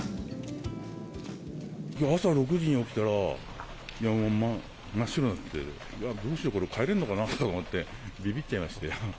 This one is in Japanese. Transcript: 朝６時に起きたら、いや、もう真っ白になってて、どうしよう、これ、帰れるのかなと思って、びびっちゃいましたよ。